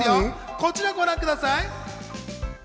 こちら、ご覧ください。